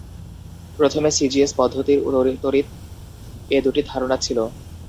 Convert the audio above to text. প্রথমে C G S পদ্ধতির তড়িৎ এর দুটি ধারণা ছিল।